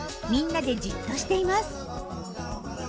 みんなでじっとしています。